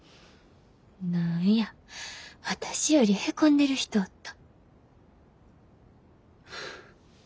何や私よりへこんでる人おった。